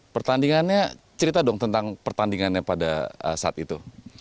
pertandingannya cerita dong tentang pertandingannya pada saat itu